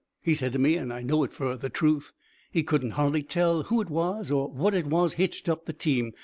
He said to me and I know it for the truth he couldn't hardly tell who it was or what it was hitched up the team.